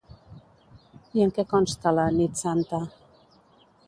I en què consta la "nit santa"?